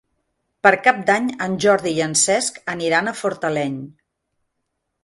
Per Cap d'Any en Jordi i en Cesc aniran a Fortaleny.